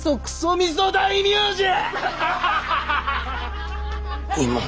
みそ大名じゃ。